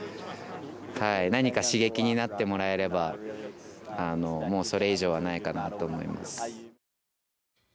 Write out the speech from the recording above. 何か刺激になってもらえればもうそれ以上はないかなと思います。